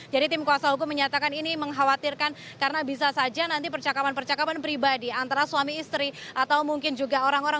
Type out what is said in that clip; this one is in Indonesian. jadi tim kuasa hukum menyatakan ini mengkhawatirkan karena bisa saja nanti percakapan percakapan pribadi antara suami istri atau mungkin juga orang orang